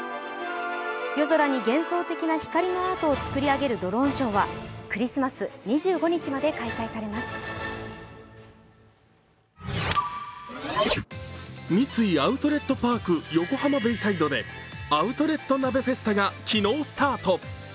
夜空に幻想的な光のアートを作り上げるドローンショーは、クリスマス、２５日まで開催されます三井アウトレットパーク横浜ベイサイドでアウトレット鍋フェスタが昨日、スタート。